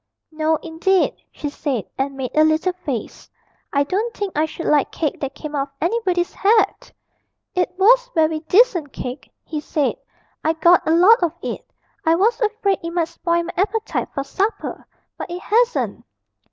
'No, indeed,' she said, and made a little face; 'I don't think I should like cake that came out of anybody's hat!' 'It was very decent cake,' he said; 'I got a lot of it. I was afraid it might spoil my appetite for supper but it hasn't.'